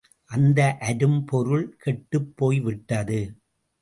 அந்த அரும் பொருள் கெட்டுப்போய் விட்டது.